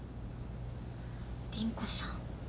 凛子さん。